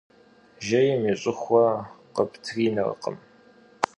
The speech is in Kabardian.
Jjêym yi ş'ıxue khıptrinerkhım.